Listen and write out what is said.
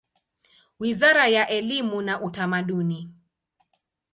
Wizara ya elimu na Utamaduni.